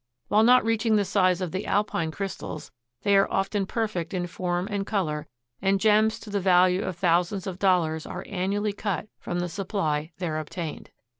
While not reaching the size of the Alpine crystals, they are often perfect in form and color, and gems to the value of thousands of dollars are annually cut from the supply there obtained.